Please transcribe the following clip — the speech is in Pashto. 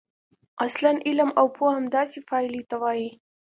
اصلاً علم او پوهه همداسې پایلې ته وايي.